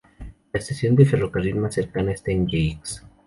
La estación de ferrocarril más cercana está en Yeisk.